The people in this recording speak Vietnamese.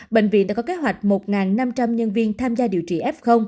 bệnh viện đã có kế hoạch một năm trăm linh nhân viên tham gia điều trị f